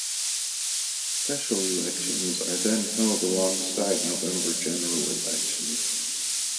Special elections are then held alongside November general elections.